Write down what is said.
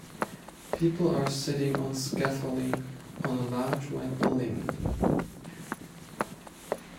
People are sitting on scaffolding on a large, white building.